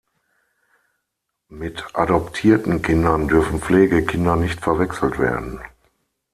Mit adoptierten Kindern dürfen Pflegekinder nicht verwechselt werden.